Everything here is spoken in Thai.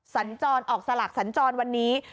สัญจรออกสลักสัญจรวันนี้